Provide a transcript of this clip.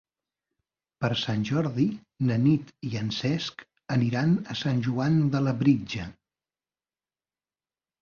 Per Sant Jordi na Nit i en Cesc aniran a Sant Joan de Labritja.